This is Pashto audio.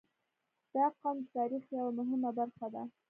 • دا قوم د تاریخ یوه مهمه برخه ده.